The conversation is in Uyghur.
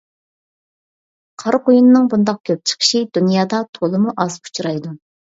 قارا قۇيۇننىڭ بۇنداق كۆپ چىقىشى دۇنيادا تولىمۇ ئاز ئۇچرايدۇ.